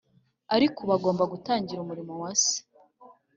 ariko ubu agomba gutangira umurimo wa Se